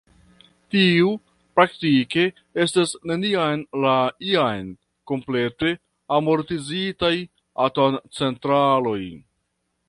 Tiu praktike estas neniam la jam komplete amortizitaj atomcentraloj.